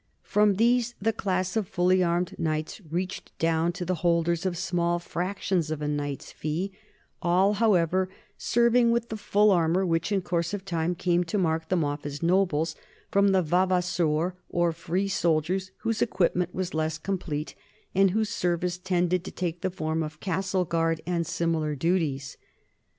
From these the class of fully armed knights reached down to the holders of small fractions of a knight's fee, all however serving with the full armor which in course of time came to mark them off as nobles from the vavassors, or free sol diers, whose equipment was less complete and whose service tended to take the form of castle guard and simi lar duties.